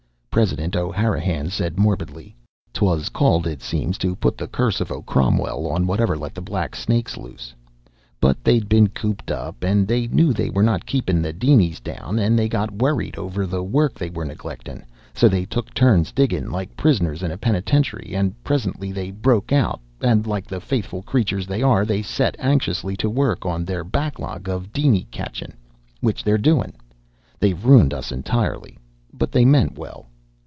President O'Hanrahan said morbidly: "'Twas called, it seems, to put the curse o' Cromwell on whoever let the black snakes loose. But they'd been cooped up, and they knew they were not keepin' the dinies down, and they got worried over the work they were neglectin'. So they took turns diggin', like prisoners in a penitentiary, and presently they broke out and like the faithful creatures they are they set anxious to work on their backlog of diny catchin'. Which they're doin'. They've ruined us entirely, but they meant well."